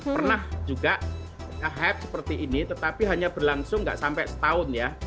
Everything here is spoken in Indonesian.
pernah juga hype seperti ini tetapi hanya berlangsung nggak sampai setahun ya